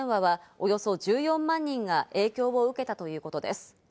ひかり電話はおよそ１４万人が影響を受けたということです。